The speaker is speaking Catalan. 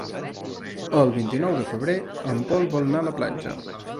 El vint-i-nou de febrer en Pol vol anar a la platja.